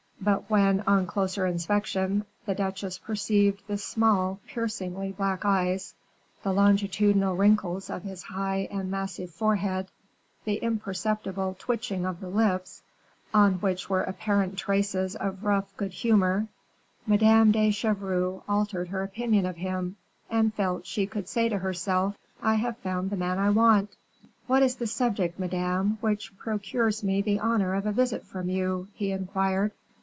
But when, on closer inspection, the duchesse perceived the small, piercingly black eyes, the longitudinal wrinkles of his high and massive forehead, the imperceptible twitching of the lips, on which were apparent traces of rough good humor, Madame de Chevreuse altered her opinion of him, and felt she could say to herself: "I have found the man I want." "What is the subject, madame, which procures me the honor of a visit from you?" he inquired.